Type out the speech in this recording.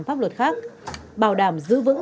pháp luật khác bảo đảm giữ vững